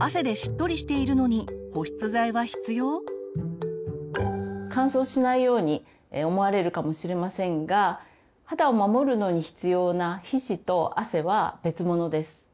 夏は乾燥しないように思われるかもしれませんが肌を守るのに必要な皮脂と汗は別物です。